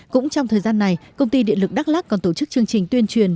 cũng trong thời gian này công ty điện lực đắk lắc còn tổ chức chương trình tuyên truyền